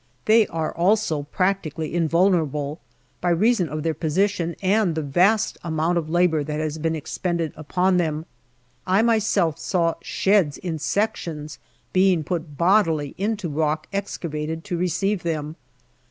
They are also practically in vulnerable, by reason of their position and the vast amount of labour that has been expended upon them. I myself saw sheds in sections being put bodily into the rock excavated to receive them.